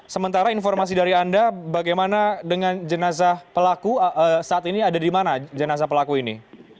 sementara informasi dari anda bagaimana dengan jenazah pelaku saat ini ada di mana jenazah pelaku ini